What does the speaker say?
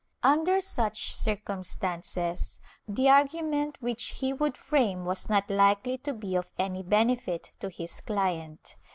^ Under such circumstances the argument which he would frame was not likely to be of any benefit to his client.